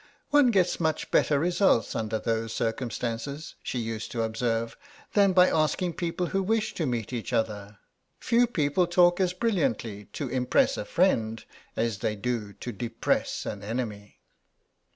"One gets much better results under those circumstances" she used to observe, "than by asking people who wish to meet each other. Few people talk as brilliantly to impress a friend as they do to depress an enemy."